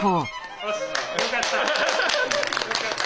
よしよくやった！